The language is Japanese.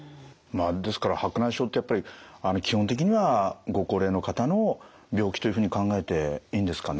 ですから白内障ってやっぱり基本的にはご高齢の方の病気というふうに考えていいんですかね？